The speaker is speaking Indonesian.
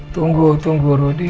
tunggu tunggu rudy